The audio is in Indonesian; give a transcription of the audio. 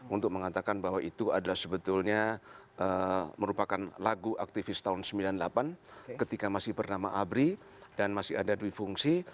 untuk mengatakan bahwa itu adalah sebetulnya merupakan lagu aktivis tahun sembilan puluh delapan ketika masih bernama abri dan masih ada dwi fungsi